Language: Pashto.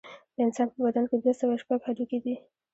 د انسان په بدن کې دوه سوه شپږ هډوکي دي